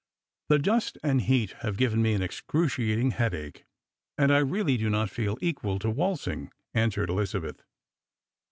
" The dust and heat have given me an excruciating headache, and I really do not feel equal to waltzing," answered Elizabeth.